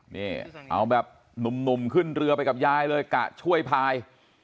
นี่เอาแบบหนุ่มขึ้นเรือไปกับยายเลยกะช่วยพาย